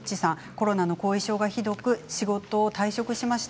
コロナの後遺症がひどく仕事を退職しました。